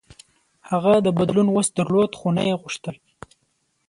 هغوی د بدلون وس درلود، خو نه یې غوښتل.